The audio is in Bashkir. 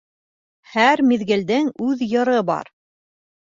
Һәр миҙгелдең үҙ йыры бар.